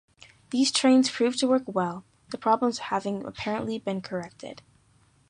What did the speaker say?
These trains proved to work well, the problems having apparently been corrected.